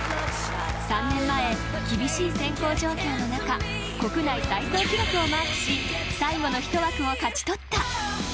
３年前、厳しい選考状況の中国内最高記録をマークし最後の１枠を勝ち取った。